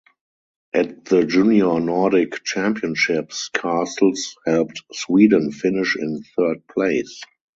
At the Junior Nordic Championships Castles helped Sweden finish in third place.